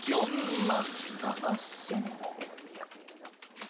４万７０００円。